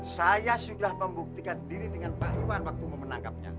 saya sudah membuktikan sendiri dengan pak iwan waktu mau menangkapnya